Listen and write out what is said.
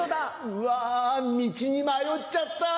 うわ道に迷っちゃった。